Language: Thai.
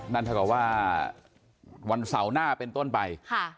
นั่นเท่ากับว่าวันเสาร์หน้าเป็นต้นไป